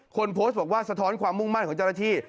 คนโพสต์บอกว่าสะท้อนความมุ่งมั่นของเจ้าหน้าที่